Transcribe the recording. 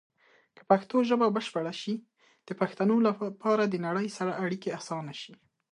که پښتو ژبه بشپړه شي، د پښتنو لپاره د نړۍ سره اړیکې اسانه شي.